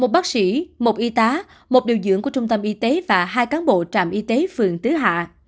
một bác sĩ một y tá một điều dưỡng của trung tâm y tế và hai cán bộ trạm y tế phường tứ hạ